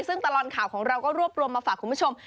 ซึ่งตลอดข่าวของเราก็รวบรวมมาฝากคุณผู้ชม